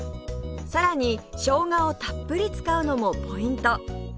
さらにしょうがをたっぷり使うのもポイント